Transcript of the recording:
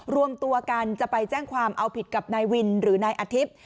รวมตัวกันจะไปแจ้งความเอาผิดกับนายวินหรือนายอาทิตย์